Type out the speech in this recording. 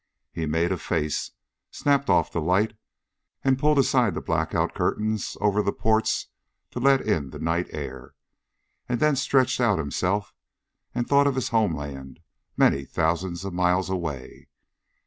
He made a face, snapped off the light, and pulled aside the blackout curtains over the ports to let in the night air, and then stretched out himself and thought of his homeland many thousands of miles away.